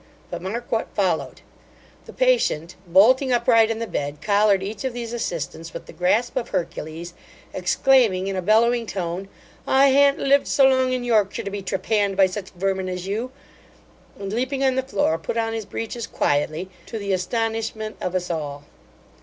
But mark what followed. The patient, bolting upright in the bed, collared each of these assistants with the grasp of Hercules, exclaiming, in a bellowing tone, 'I ha'n't lived so long in Yorkshire to be trepanned by such vermin as you;' and leaping on the floor, put on his breeches quietly, to the astonishment of us all.